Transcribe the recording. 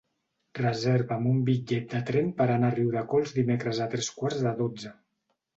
Reserva'm un bitllet de tren per anar a Riudecols dimecres a tres quarts de dotze.